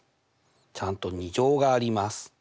ちゃんと２乗があります。